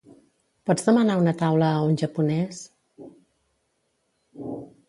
Pots demanar una taula a un japonès?